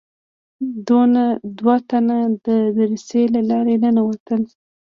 دوه تنه د دريڅې له لارې ننوتل.